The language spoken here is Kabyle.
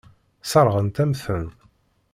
Sseṛɣent-am-ten.